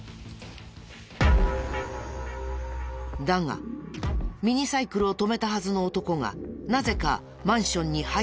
だがミニサイクルを止めたはずの男がなぜかマンションに入ってこない。